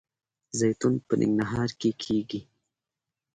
زیتون په ننګرهار کې کیږي